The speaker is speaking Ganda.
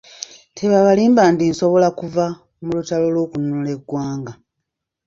Tebabalimba nti nsobola kuva mu lutalo lw’okununula eggwanga.